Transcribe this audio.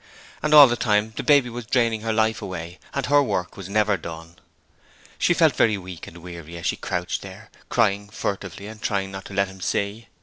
And all the time the baby was draining her life away and her work was never done. She felt very weak and weary as she crouched there, crying furtively and trying not to let him see.